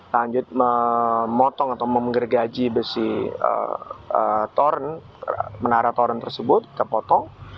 lanjut memotong atau memenggergaji besi torren menara torren tersebut kita potong